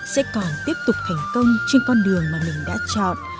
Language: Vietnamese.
sẽ còn tiếp tục thành công trên con đường mà mình đã chọn